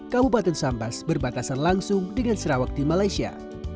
kabupaten sambas berbatasan langsung dengan sarawak di malaysia